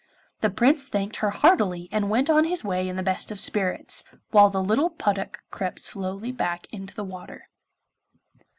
The Prince thanked her heartily and went on his way in the best of spirits, while the little puddock crept slowly back into the water.